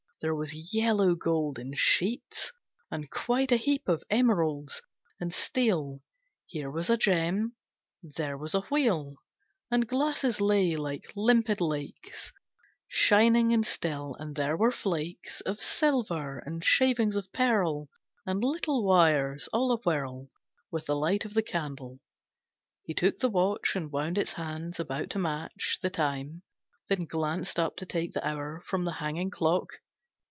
There was yellow gold in sheets, and quite A heap of emeralds, and steel. Here was a gem, there was a wheel. And glasses lay like limpid lakes Shining and still, and there were flakes Of silver, and shavings of pearl, And little wires all awhirl With the light of the candle. He took the watch And wound its hands about to match The time, then glanced up to take the hour From the hanging clock.